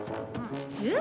えっ？